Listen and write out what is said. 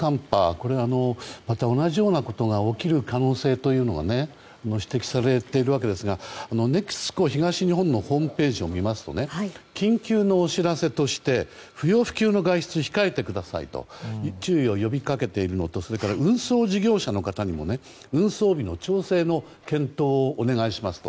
これ、また同じようなことが起こる可能性というのが指摘されているわけですがＮＥＸＣＯ東日本のホームページを見ますと緊急のお知らせとして不要不急の外出を控えてくださいと注意を呼び掛けているのとそれから運送事業者の方にも運送日の調整の検討をお願いしますと。